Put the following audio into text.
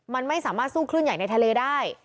มันไม่สามารถสู้คลื่นใหญ่ในทะเลได้